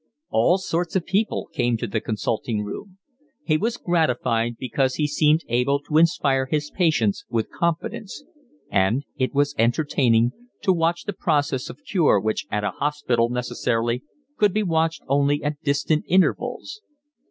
All sorts of people came to the consulting room. He was gratified because he seemed able to inspire his patients with confidence; and it was entertaining to watch the process of cure which at a hospital necessarily could be watched only at distant intervals.